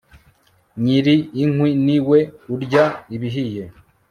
nyiri inkwi ni we urya ibihiye